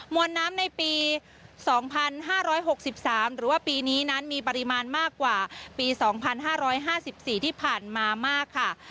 วนน้ำในปี๒๕๖๓หรือว่าปีนี้นั้นมีปริมาณมากกว่าปี๒๕๕๔ที่ผ่านมามากค่ะ